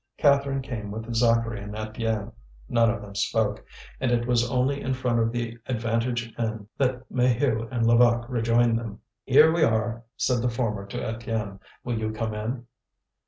Catherine came with Zacharie and Étienne. None of them spoke. And it was only in front of the Avantage inn that Maheu and Levaque rejoined them. "Here we are," said the former to Étienne; "will you come in?"